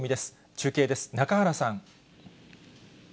中継です、中原さん。